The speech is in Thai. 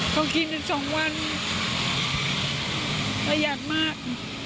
ต้องกินสองวันประยัดมาก